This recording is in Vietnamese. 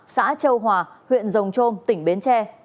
xã châu hòa huyện rồng trôm tỉnh bến tre